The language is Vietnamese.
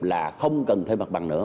là không cần thuê mặt bằng nữa